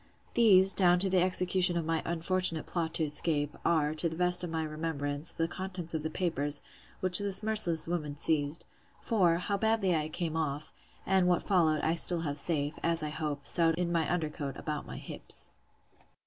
These, down to the execution of my unfortunate plot to escape, are, to the best of my remembrance, the contents of the papers, which this merciless woman seized: For, how badly I came off, and what followed, I still have safe, as I hope, sewed in my under coat, about my hips.